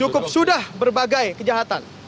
cukup sudah berbagai kejahatan